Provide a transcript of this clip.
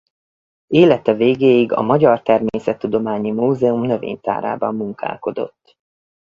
Élete végéig a Magyar Természettudományi Múzeum Növénytárában munkálkodott.